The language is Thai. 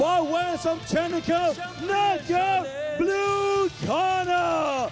บาวเวอร์ซอมเทคนิคเกิ้ลนักเกิ้ลบลูกคอร์น่า